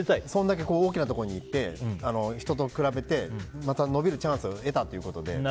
それだけ大きなところに行って人と比べてまた、伸びるチャンスを得たということで。